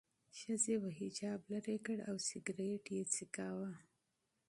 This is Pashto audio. ښځې به حجاب لرې کړ او سیګرټ به څکاوه.